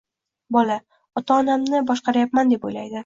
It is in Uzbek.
Bola, “ota-onamni boshqarayapman deb o'ylaydi.